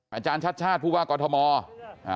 อาจารย์ชาติชาติผู้ว่ากฎมลง